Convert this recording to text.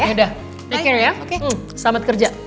yaudah take care ya selamat kerja